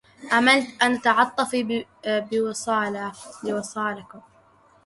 أملت أن تتعطفوا بوصالكم